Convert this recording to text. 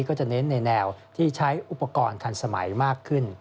ก็จะเน้นในแนวที่ใช้อุปกรณ์ทันสมัยมากขึ้น